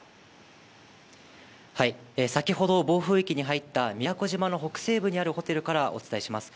先ほど、暴風域に入った宮古島の北西部にあるホテルからお伝えします。